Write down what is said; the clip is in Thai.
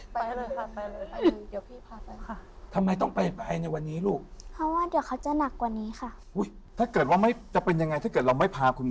เพราะว่าโดยมาเกือบสิบปีแล้วไม่ได้กินยาตายยังไม่สะใจเขาหรอ